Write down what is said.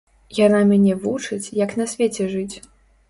Яна мяне вучыць, як на свеце жыць.